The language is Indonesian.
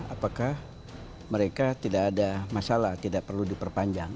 apakah mereka tidak ada masalah tidak perlu diperpanjang